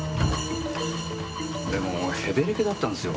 でもへべれけだったんですよ。